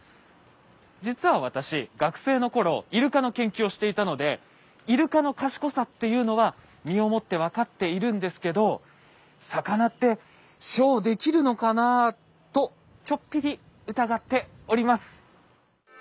実は私学生のころイルカの研究をしていたのでイルカの賢さっていうのは身をもって分かっているんですけど「魚ってショーできるのかな？」とちょっぴり疑っております。